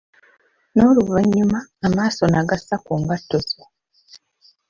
Noluvanyuma amaaso nagazza ku ngatto zo.